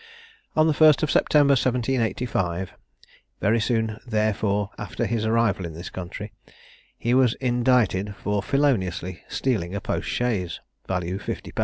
On the 1st of September 1785, very soon therefore after his arrival in this country, he was indicted for feloniously stealing a post chaise, value 50_l_.